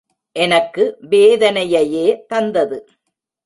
எனக்கு வேதனையையே தந்தது.